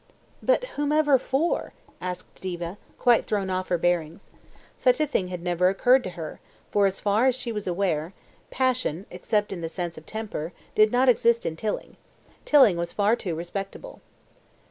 "But whomever for?" asked Diva, quite thrown off her bearings. Such a thing had never occurred to her, for, as far as she was aware, passion, except in the sense of temper, did not exist in Tilling. Tilling was far too respectable.